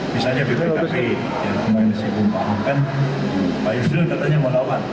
misalnya bpkp yang kemarin sibuk kan pak yusril katanya mau lawan